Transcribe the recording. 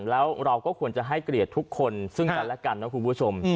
แล้วเราก็ควรจะให้เกลียดทุกคนซึ่งกันและกันนะคุณผู้ชม